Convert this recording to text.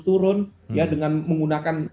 turun ya dengan menggunakan